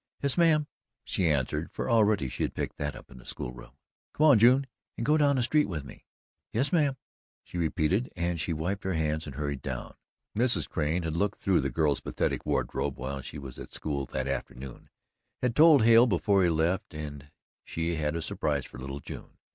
"Yes, mam!" she answered, for already she had picked that up in the school room. "Come on, June, and go down the street with me." "Yes, mam," she repeated, and she wiped her hands and hurried down. Mrs. Crane had looked through the girl's pathetic wardrobe, while she was at school that afternoon, had told Hale before he left and she had a surprise for little June.